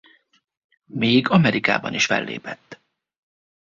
Még Amerikában is fellépett.